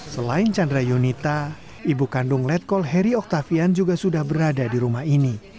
selain chandra yunita ibu kandung letkol heri oktavian juga sudah berada di rumah ini